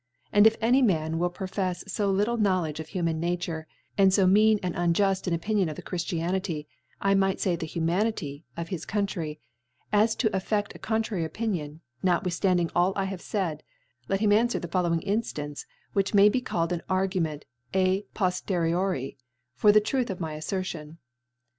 Ai>d if any Man will prpfcfs fp; Irtjtle Knowledge of Hi^nUoi Nature, and fo mean and upjuft an Opinioi^ of the Chriflianity, I might fay the Huma nity, of his Country, as to affect a contrary Opinion, 4:iotwithttanding all I have faid^ let him anfwer the following Inftance, which may be called an Argument apojleriori^ for the Truth of my AfTertion.